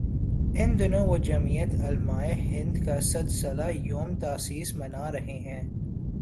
ان دنوں وہ جمعیت علمائے ہندکا صد سالہ یوم تاسیس منا رہے ہیں۔